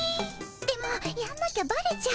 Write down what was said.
でもやんなきゃバレちゃう。